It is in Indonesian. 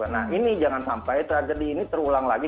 nah ini jangan sampai tragedi ini terulang lagi